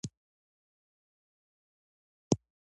دریم: مهربانه اوسیدل.